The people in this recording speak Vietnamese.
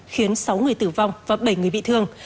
khiến sáu người tử vong và bảy người bị thương